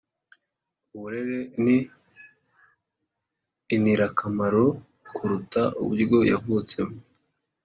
uburere ni inirakamaro kuruta uburyo yavutsemo.